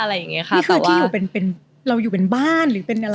มี่คือที่อยู่เป็นเราอยู่เป็นบ้านหรือเป็นอะไร